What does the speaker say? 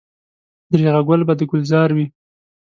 درېغه ګل به د ګلزار وي.